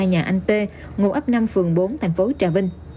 nhà anh p ngụ ấp năm phường bốn thành phố trà vinh